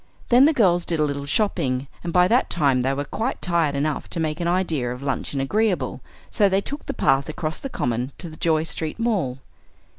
Then the girls did a little shopping; and by that time they were quite tired enough to make the idea of luncheon agreeable, so they took the path across the Common to the Joy Street Mall.